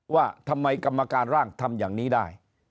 ว่าทำไมกรรมการร่างทำอย่างนี้ได้